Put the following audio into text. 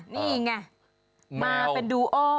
นี่ไงมาเป็นดูโอ